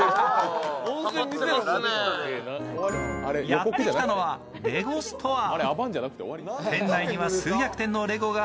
やってきたのはレゴストア。